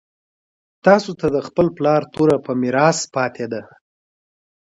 تاسو ته د خپل پلار توره په میراث پاتې ده.